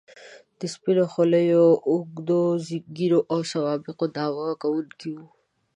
د سپینو خولیو، اوږدو ږیرو او سوابقو دعوه کوونکي وو.